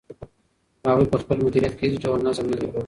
هغوی په خپل مدیریت کې هیڅ ډول نظم نه درلود.